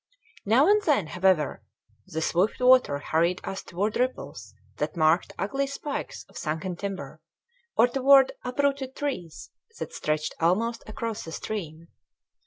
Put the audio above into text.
Now and then, however, the swift water hurried us toward ripples that marked ugly spikes of sunken timber, or toward uprooted trees that stretched almost across the stream.